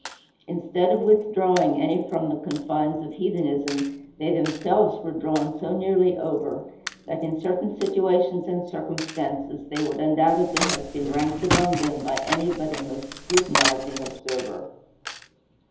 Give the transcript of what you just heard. Instead of withdrawing any from the confines of heathenism, they themselves were drawn so nearly over, that in certain situations and circumstances they would undoubtedly have been ranked among them by any but a most scrutinizing observer.